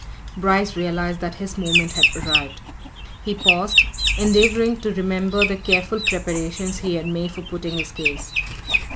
Bryce realized that his moment had arrived. He paused, endeavouring to remember the careful preparations he had made for putting his case.